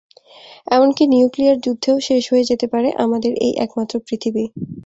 এমনকি নিউক্লিয়ার যুদ্ধেও শেষ হয়ে যেতে পারে আমাদের এই একমাত্র পৃথিবী।